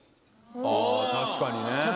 あ確かにね。